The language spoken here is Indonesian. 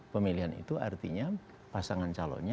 pemilihan itu artinya pasangan calonnya